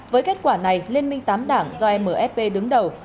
với kết quả này liên minh tám đảng do mfp đứng đầu